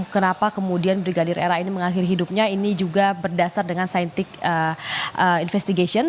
kenapa kemudian brigadir ra ini mengakhiri hidupnya ini juga berdasar dengan scientif investigation